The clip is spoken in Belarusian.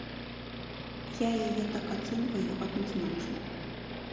Я яе так ацэньваю адназначна.